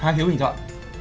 hai phiếu bình chọn